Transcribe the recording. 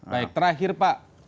baik terakhir pak